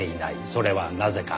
それはなぜか。